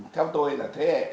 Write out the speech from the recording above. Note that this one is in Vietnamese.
theo tôi là thế hệ